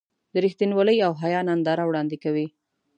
د رښتینولۍ او حیا ننداره وړاندې کوي.